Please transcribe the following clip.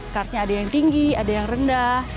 karsnya ada yang tinggi ada yang rendah